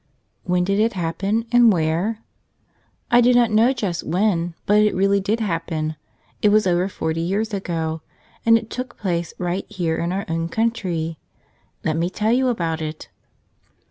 HEN did it happen, and where? I do not know just when, but it really did happen. It was over forty years ago, and it took place right here in our own country. Let me tell you about it.